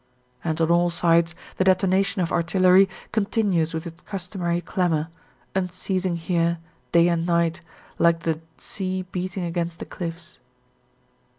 And on all sides the detonation of artillery continues with its customary clamour, unceasing here, day and night, like the sea beating against the cliffs.